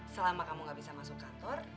selama kamu gak bisa masuk kantor